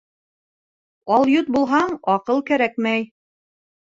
Алйот булһаң, аҡыл кәрәкмәй.